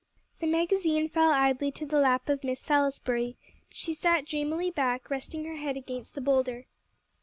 The magazine fell idly to the lap of Miss Salisbury. She sat dreamily back, resting her head against the boulder.